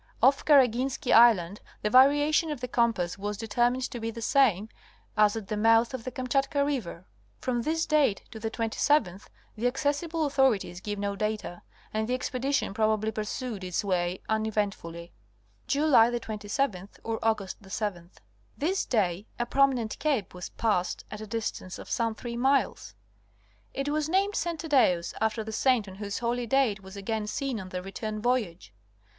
Off Karaginski Island the varia tion of the compass was determined to be the same as at the mouth of the Kamchatka river. From this date to the 27th, the accessible authorities give no 'ie and the expedition probably pursued its way uneventfully. —+——. This day a prominent Cape was passed at a distance of some three miles. [It was named St. Thaddeus, after the saint on whose holy day it was again seen on the return voyage.